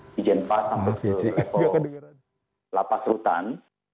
struktur organisasi di jenpas sampai ke lapas rutan